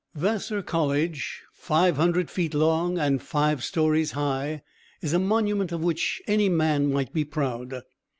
Vassar College, five hundred feet long and five stories high, is a monument of which any man might be proud.